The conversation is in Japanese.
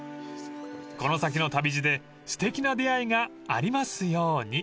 ［この先の旅路ですてきな出会いがありますように］